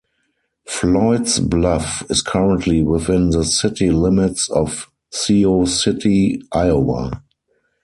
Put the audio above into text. Floyd's Bluff is currently within the city limits of Sioux City, Iowa.